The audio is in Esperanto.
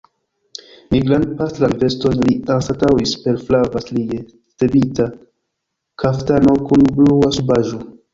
Nigran pastran veston li anstataŭis per flava strie stebita kaftano kun blua subaĵo.